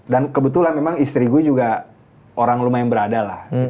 dan kebetulan memang istri gue juga orang lumayan berada lah